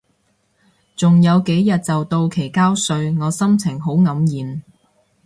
仲有幾日就到期交稅，我心情好黯然